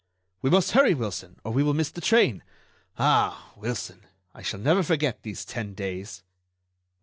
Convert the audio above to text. "We must hurry, Wilson, or we will miss the train.... Ah! Wilson, I shall never forget these ten days."